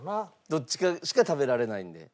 どっちかしか食べられないんで。